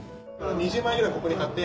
２０枚ぐらいここに貼って。